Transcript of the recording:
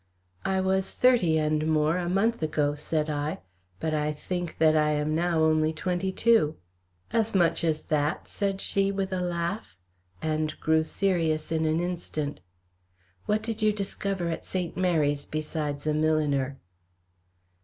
"I was thirty and more a month ago," said I, "but I think that I am now only twenty two." "As much as that?" said she, with a laugh, and grew serious in an instant. "What did you discover at St. Mary's besides a milliner?"